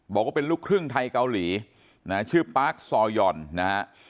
บอกว่าเป็นลูกครึ่งไทยเกาหลีนะฮะชื่อปาร์คซอยอนนะฮะ